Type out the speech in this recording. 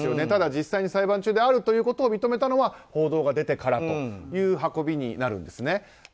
ただ実際に裁判中であるということを認めたのは報道が出てからという運びになるんですね。